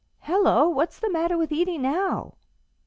Hello! what's the matter with Edie now?"